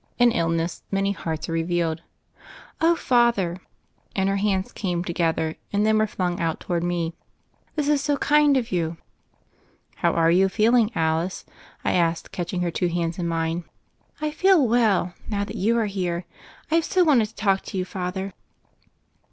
In ill ness many hearts are revealed. "Oh, Father I" — and her hands came to gether and then were flung out toward me — "this is so kind of you I" "How are you feeling, Alice?" I asked, catch ing her two hands in mme. "I feel well, now that you are here. I have so wanted to talk to you. Father."